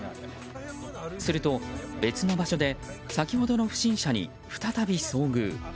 すると、別の場所で先ほどの不審者に再び遭遇。